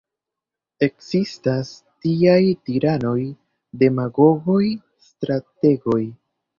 Ekzistas tiaj tiranoj, demagogoj, strategoj.